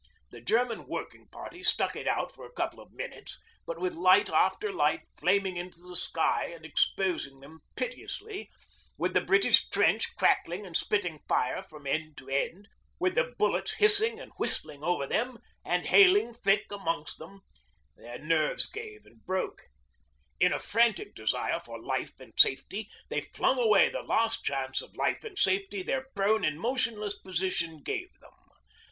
The German working party 'stuck it out' for a couple of minutes, but with light after light flaming into the sky and exposing them pitilessly, with the British trench crackling and spitting fire from end to end, with the bullets hissing and whistling over them, and hailing thick amongst them, their nerves gave and broke; in a frantic desire for life and safety they flung away the last chance of life and safety their prone and motionless position gave them.